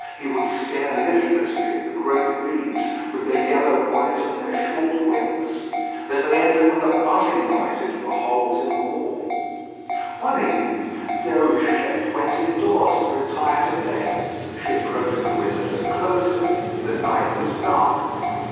He would stare listlessly at the great bees, with their yellow bodies and their short wings, as they entered with a buzzing noise into the holes in the wall. One evening Déruchette went in doors to retire to bed. She approached her window to close it. The night was dark.